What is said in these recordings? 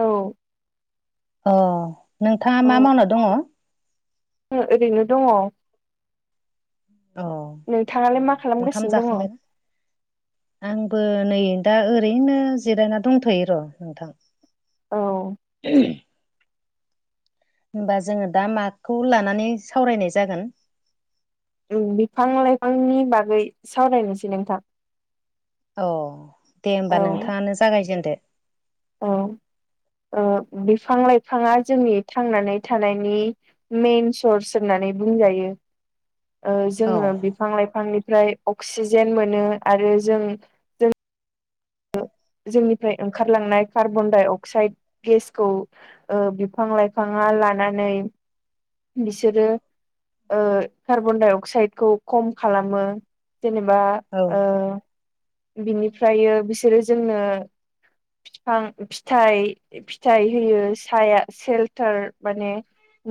औ। अ नोंथाङा मा मावना दङ? ओ ओरैनो दङ। औ नोंथाङालाय मा ओंखाम खालामगासिनो दङ औ जाखांबायना? आंबो नै दा ओरैनो जिरायना दंथ'यो र' नोंथां। ए [unintelligible] होमबा जोङो दा माखौ लानानै सावरायनाय जागोन? बिफां लाइफांनि बागै सावरायनोसै नोंथां। अ दे होमबा नोंथाङानो जागायजेनदो। अह औ बिफां लाइफाङा जोंनि थांनानै थानायनि मेइन सर्स होननानै बुंजायो। ओ औ जोङो बिफां लाइफांनिफ्राय अक्सिजेन मोनो आरो जों जों जोंनिफ्राय ओंखारलांनाय कार्बन डाइ अक्साइद गेसखौ ओ बिफां लाइफाङा लानानै बिसोरो ओ कार्बन डाइ अक्साइदखौ खम खालामो, जेनेबा औ ओ बिनिफ्रायो बिसोरो जोंनो बिफां फिथाइ फिथाइ होयो साया सेलटार माने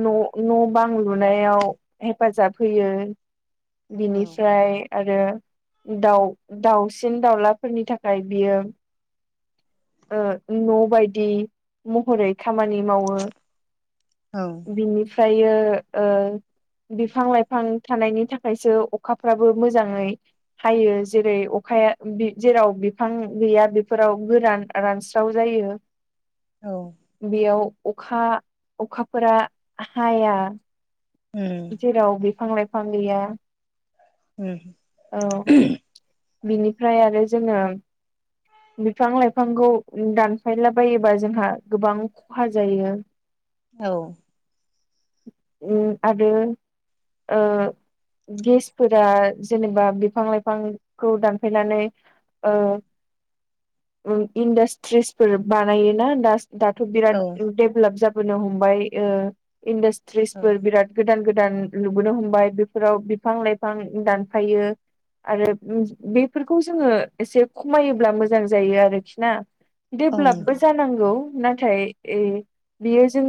न' न' बां लुनायाव हेफाजाब होयो। औ बिनिफ्राय आरो दाउ दाउसिन दाउलाफोरनि थाखाय बियो ओ न' बायदि महरै खामानि मावो। औ। बिनिफ्रायो ओ बिफां लाइफां थानायनि थाखायसो अखाफ्राबो मोजाङै हायो जेरै अखाया जेराव बिफां गैया बेफोराव गोरान रानस्राव जायो। औ बेयाव अखा अखाफोरा हाया। उ। जेराव बिफां लाइफां गैया। उ। औ बिनिफ्राय आरो जोङो। बिफां लाइफांखौ दानफायला बायोबा जोंहा गोबां खहा जायो। औ। आरो। गेसफोरा जेनेबा बिफां लाइफांखौ दानफायनानै। ओ इन्डासट्रिसफोर बानायोनाास। दाथ' बिराद औ देभलप जाबोनो हमबाय। ओ औ इन्डास्ट्रिसफोर बिराद गोदान गोदान‌ लुबोनो हमबाय बेफोराव बिफां लाइफां दानफायो। आरो बेफोरखौ जोङो एसे खमायोब्ला मोजां जायो आरोखि ना। औ ेभलपबो नोंथां जानांगौ नाथाय बियो जों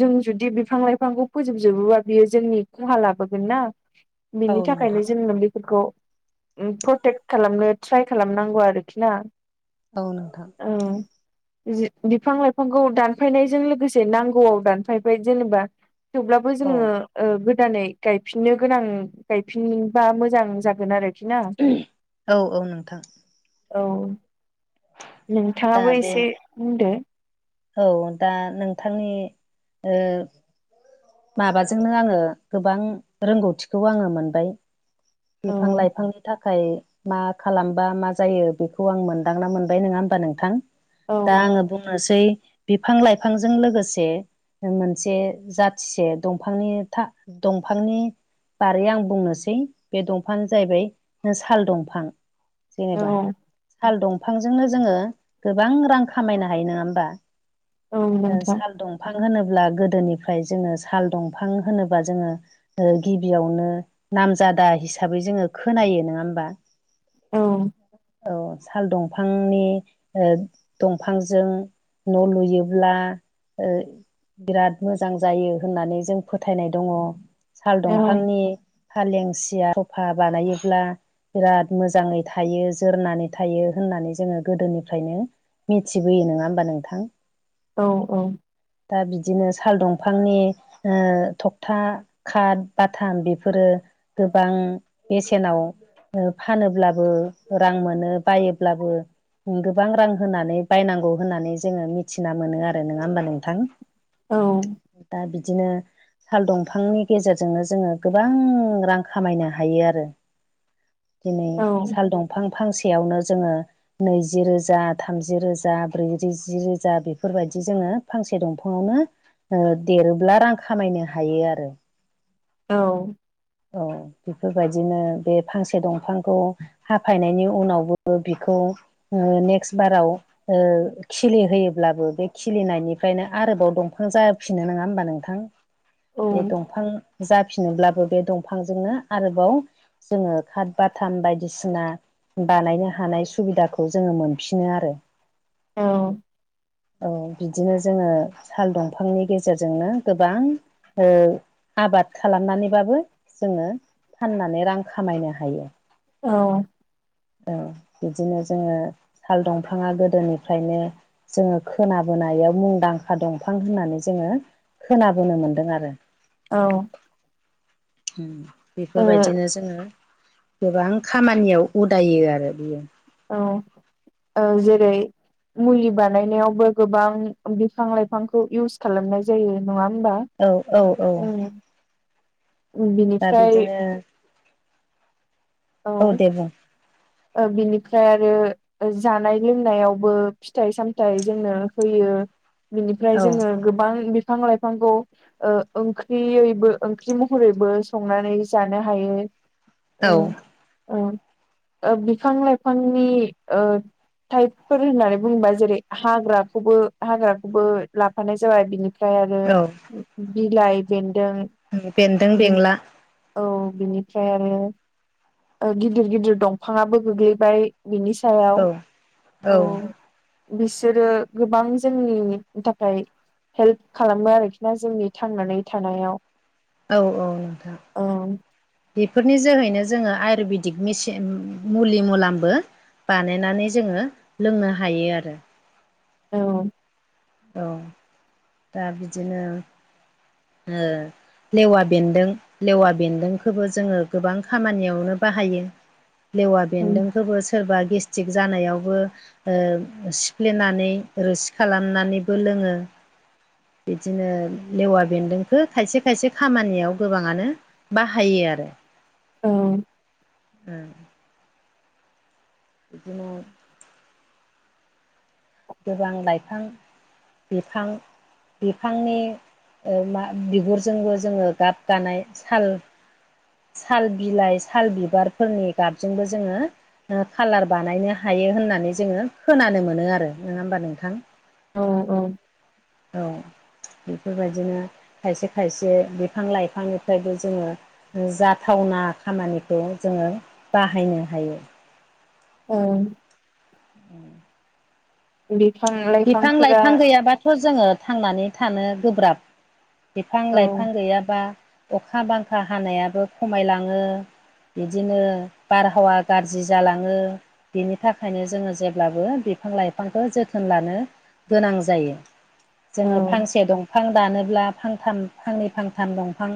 जों जुदि। बिफां लाइफांखौ फोजोबजोबोबा बियो जोंनि खहा लाबोगोन ना। औ बिनि थाखायनो नोंथां जों उुबलिफोरखौ। प्रटेक्ट खालामनो ट्राय खालामनांगौ आरोखि ना। औ नोंथां। औ बिफां लाइफांखौ दानफायनायजों लोगोसे नांगौआव दानफायबाय। जेनेबा थेवब्लाबो औ जोङो। ओ गोदानै गायफिननो गोनां गायफिनबा मोजां जागोन आरोखि ना। औ औ नोंथां। औ दा नोंथाङाबो बे एसे बुंदो औ दा नोंथांनिओ माबाजोंनो आङो गोबां रोंगौथिखौ आङो मोनबाय। औ बिफां लाइफांनि थाखाय। मा खालामबा मा जायो बेखौ आं मोनदांना मोनबाय नङा होमबा नोंथां। औ दा आङो बुंनोसै बिफां लाइफांजों लोगोसे। मोनसे जाथिसे दंफांनि था दंफांनि। बारै आं बुंनोसै। बे दंफांानो जाहैबाय साल दंफां जेनेबा। औ साल दंफांजोंनो जोङो गोबां रां खामायनो हायो नङा होमबा। औ ओ नोंथां साल दंफां होनोब्ला गोदोनिफ्राय जोङो साल दंफां होनोब्ला जोङो। ओ गिबियावनो नामजादाय। हिसाबै जोङो खोनायो नङा होमबा औ औ साल दंफांनि ओ दंफांजों न' लुयोब्ला ओ बिराद मोजां जायो होननानै जों फोथायनाय दङ साल औ दंफांनि फालेंसिया सफा बानायोब्ला बिराद मोजाङै थायो जोरनानै थायो होननानै जोङो गोदोनिफ्रायनो मिथिबोयो नङा होमबा नोंथां औ औ दा बिदिनो साल दंफांनि ओ थखथा खााद बाथाम बेफोरो गोबां बेसेनाव फानोब्लाबो रां मोनो बायोब्लाबो गोबां रां होनानै बायनांगौ होननानै जोङो मिथिना मोनो आरो नङा होमबा नोंथां औ दा बिदिनो साल दंफांनि गेजेरजोंनो जोङो गोबां रां खामायनो हायो आरो दिनै औ साल दंफां फांसेयावनो जोङो नैजि रोजा थामजि रोजा ब्रैिजि रोजा बेफोरबायदि जोङो फांसे दंफाङावनो ओ देरोब्ला रां खामायनो हायो आरो औ औ बेफोरबायदिनो बे फांसे दंफांखौ हाफायनायनि उनावबो बिखौ नेक्स्ट बाराव खिलि होयोब्लाबो बे खिलिनायनिफ्रायनो आरोबाव दंफां जाफिनो नङा होमबा नोंथां बे दंफां जाफिनोब्लाबो बे दंफांजोंनो आरोबाव जोङो खााद बाथाम बायदिसिना बानायनो हानाय सुबिदाखौ जोङो मोनफिनो आरो औ औ बिदिनो जोङो साल दंफांनि गेजेरजोंनो गोबां आबाद खालामनानैबाबो जोङो फाननानै रां खामायनो हायो औ औ बिदिनो जोङो साल दंफाङा गोदोनिफ्रायनो जोङो खोनाबोनायाव मुंदांखा दंफां होननानै जोङो खोनाबोनो मोनदों आरो औ बेफोरबायदिनो जोङो गोबां खामानियाव उदायो आरो बियो औ औ जेरै मुलि बानायनायावबो गोबां बिफां लाइफांखौ इउस खालामनाय जायो नङा होमबा औ औ औ ओम दा बिनिफ्राय बिदिनो औ दे बुं औ बिनिफ्राय आरो जानाय लोंनायावबो फिथाइ सामथाइ जोंनो होयो बिनिफ्राय औ जोङो गोबां बिफां लाइफांखौ ओंख्रियैबो ओंख्रि महरैबो संनानै जानो हायो ओं औ ओं बिफां लाइफांनि िाइफोर होननानै बुङोबा जेरै हाग्राखौबो हाग्राखौबो लाफानाय जाबाय बिनिफ्राय ओमफ्राय औ आरो बिलाइ बेन्दों बेन्दों बेंला औ बिनिफ्राय आरो गिदिर गिदिर दंफाङाबो गोग्लैबाय बिनि सायाव औ औ बिसोरो गोबां जोंनि थाखाय हेल्प खालामो आरोखि ना जोंनि थांनानै थानायाव औ औ नथां औ बेफोरनि जोहैनो जोङो आयुरवेदिक मेसिन मुलि मुलामबो बानायनानै जोङो लोंनो हायो आरो औ औ दा बिदिनो [inaudible] लेवा बेन्दों लेवा बेन्दोंखौबो जोङो गोबां खामानियावनो बाहायो लेवा औ बेन्दोंखौबो सोरबा गेस्ट्रिक जानायावबो सिफ्लेनानै रोसि खालामनानैबो लोङो बिदिनो लेवा बेन्दोंखौ खायसे खायसे खामानियाव गोबाङानो बाहायो आरो औ [inaudible] बिदिन गोबां लाइफां बिफां बिफांनि ओ मा बिगुरजोंबो जोङो गाब गानाय साल साल बिलाइ साल बिबारफोरनि गाबजोंबो जोङो खाालार बानायनो ह हायो। होननानै जोङो खोनानो मोनो आरो नङा होमबा नोंथां। औ औ। औ बेफोरबायदिनो खायसे खायसे बिफां लाइफांनिफ्रायबो जोङो जाथावना खामानिखौ जोङो बाहायनो हायो। औ। उ बिफां बिफां लाइफांफोरा लाइफां गैयाबा थ' जोङो थांनानै थानो गोब्राब बिफां औ लाइफां गैयाबा अखा बांखा हानायाबो खमायलाङो। बिदिनो बारहावा गाज्रि जालाङो। बिनि थाखायनो जोङो जेब्लाबो बिफां लाइफांखौ जोथोन होनलानो गोनां जायो औ जोङो फांसे दं बिफां दानोब्ला फांथाम फांनै फांथाम दंफां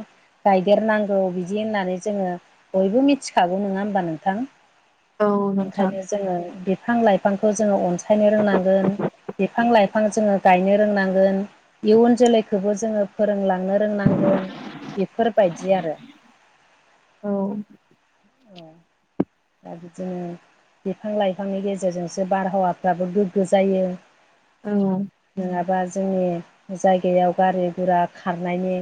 गायदेरनांगौ बिदि होननानै जोङो बयबो मिथिखागौ नङा होमबा नोंथां। औ नोंथां ओंखायनो जोङो बिफां लाइफांखौ जोङो अनसायनो रोंनांगोन। बिफां लाइफां जोङो गायनो रोंनांगोन इयुन जोलैखौबो जोङो फोरोंलांनो फोरोंनांगोन बेफोरबायदि आरो। औ। औ। दा बिदिनो बिफां लाइफांनि गेजेरजोंसो बारहावाफ्राबो गोग्गो जायो। औ। नङाबा जोंनि जायगायाव गारि गुरा खारनायनि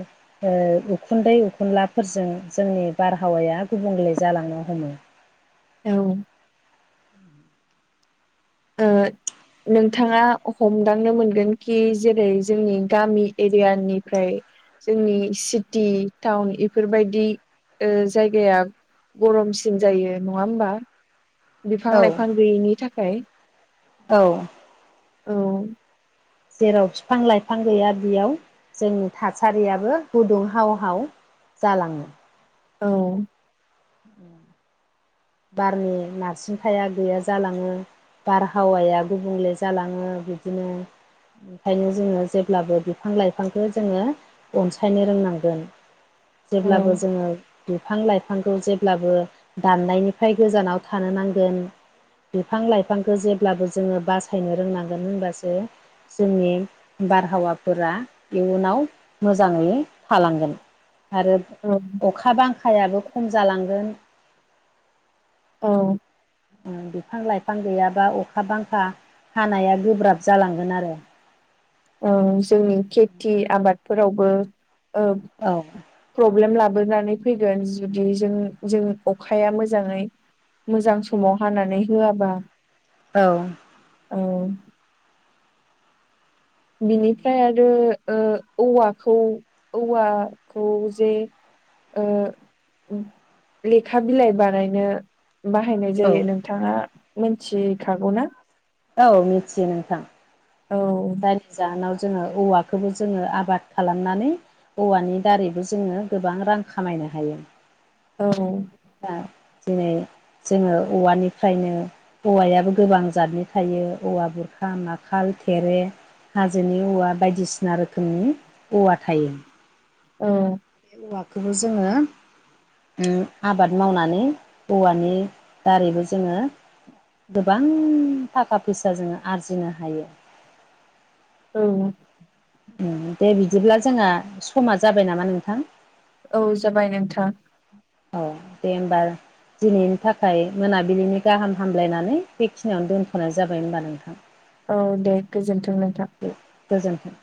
ओ उखुन्दै उखुनलाफोरजों जोंनि बारहावाया गुबुंले जालांनो हमो। औ। ओ नोंथाङा हमदांनो मोनगोन कि जेरै जोंनि गामि एरियानिफ्राय जोंनि सिटि टाउन एफोरबायदि ओ जायगाया गरमसिन जायो नङा होमबा बिफां औ लाइफां गैयैनि थाखाय। औ। औ। जेराव फिफां लाइफां गैया बियाव जोंनि थासारियाबो गुदुं हाव हाव जालाङो। औ। बारनि नारसिन थाया गैया जालाङो बारहावाया गुबुंले जालाङो बिदिनो ओंखायनो जोङो जेब्लाबो बिफां लाइफांखौ जोङो अनसायनो रोंनांगोन। औ जेब्लाबो जोङो बिफां लाइफां खौ जेब्लाबो दाननायनिफ्राय गोजानाव थानो नांगोन बिफां लाइफांखौ जेब्लाबो जोङो बासायनो रोंनांगोन होनबासो जोंनि बारहावाफोरा इयुनाव मोजाङै थालांगोन। आरो औ अखा बांखायाबो खम जालांगोन। औ। ओ बिफां लाइफां गैयाबा अखा बांखा हानाया गोब्राब जालांगोन आरो। ओ जोंनि खेथि आबादफोरावबोओ औ प्रब्लेम लाबोनानै फैगोन जुदि जों जों अखाया मोजाङै मोजां समाव हानानै होआबा औ। औ बिनिफ्राय आरो ओ औवाखौ औवाखौ जे ओ लेखा बिलाइ बानायनो बाहायनाय औ जायो नोंथाङा मिथिखागौ ना औ मिथियो नोंथां औ जायनि जाहोनाव जोङो औवाखौबो जोङो आबाद खालामनानै औवानि दारैबो जोङो गोबां रां खामायनो हायो औ दा दिनै जोङो औवानिफ्रायनो औवायाबो गोबां जादनि थायो औवा बुरखा नाखाल थेरे हाजोनि औवा बायदिसिना रोखोमनि औवा थायो औ बे औवाखौबो जोङो उम आबाद मावनानै औवानि दारैबो जोङो गोबां थाखा फैसा जोङो आरजिनो हायो औ उम दे बिदिब्ला जोंहा समा जाबाय नामा नोंथां औ जाबाय नोंथां औ दे होनबा दिनैनि थाखाय मोनाबिलिनि गाहाम हामलायनानै बेखिनियावनो दोनथ'नाय जाबाय होनबा नों थां औ दे गोजोन्थों नोंथां गोजोन्थों